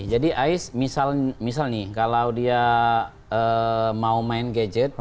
jadi ais misal nih kalau dia mau main gadget